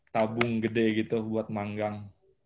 tabung gede gitu buat manggang